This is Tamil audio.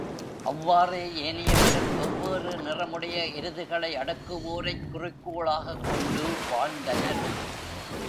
அவ்வாறே ஏனையவரும் வெவ்வேறுநிறம் உடைய எருதுகளை அடக்குவோரைக் குறிக்கோளாகக் கொண்டு வாழ்ந்தனர்.